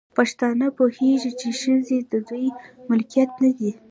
پښتانه پوهيږي، چې ښځې د دوی ملکيت نه دی